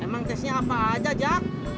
emang tesnya apa aja jak